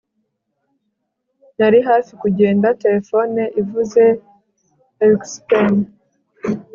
nari hafi kugenda, terefone ivuze erikspen